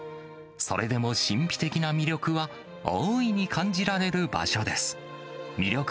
それでも神秘的な魅力は大いに感じられる場所です。